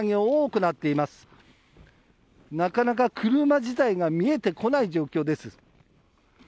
なかなか車自体が見えてこない状況です。